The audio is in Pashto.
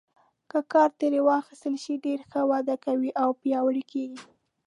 که کار ترې واخیستل شي ډېره ښه وده کوي او پیاوړي کیږي.